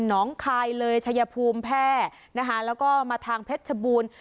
น้องคายเลยชัยภูมิแพร่นะคะแล้วก็มาทางเพชรชบูรณ์